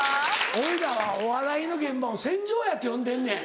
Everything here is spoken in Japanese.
おいらはお笑いの現場を戦場やと呼んでんねん。